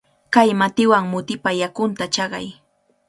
Kay matiwan mutipa yakunta chaqay.